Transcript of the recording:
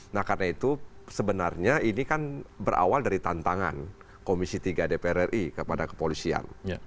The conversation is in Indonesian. nah karena itu sebenarnya ini kan berawal dari tantangan komisi tiga dpr ri kepada kepolisian